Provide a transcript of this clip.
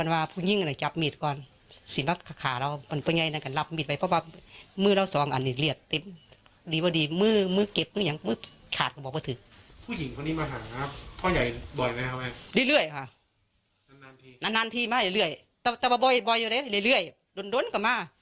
ว้าวตอนนี้ยิ่งทะเลาะกันยิ่งพึ่งไม่มีมือบ้านอีกหรอก